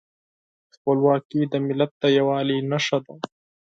خپلواکي د ملت د یووالي نښه ده.